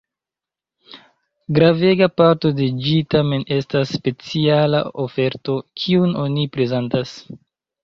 Gravega parto de ĝi tamen estas speciala oferto, kiun oni prezentas.